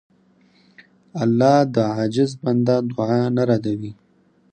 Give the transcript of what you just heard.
الله د عاجز بنده دعا نه ردوي.